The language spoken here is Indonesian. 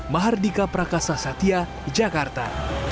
mahardika prakasa satya jakarta